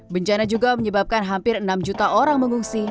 bencana juga menyebabkan hampir enam juta orang mengungsi